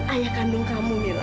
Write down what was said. ayah kandung kamu mila